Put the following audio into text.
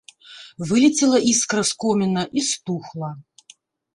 Вылецела іскра з коміна і стухла.